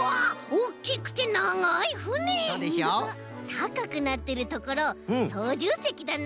たかくなってるところそうじゅうせきだな！？